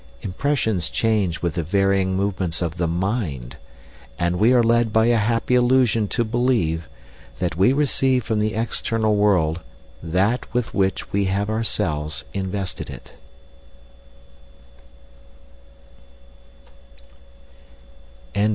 Impressions change with the varying movements of the mind, and we are led by a happy illusion to believe that we receive from the external world that with which we have ourselves invested it.